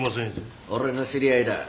俺の知り合いだ。